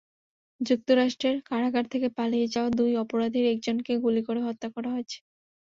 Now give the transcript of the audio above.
যুক্তরাষ্ট্রের কারাগার থেকে পালিয়ে যাওয়া দুই অপরাধীর একজনকে গুলি করে হত্যা করা হয়েছে।